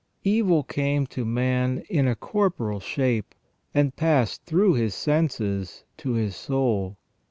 Evil came to man in a corporal shape, and passed through his senses to his soul.